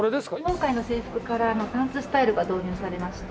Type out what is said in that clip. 今回の制服からパンツスタイルが導入されまして。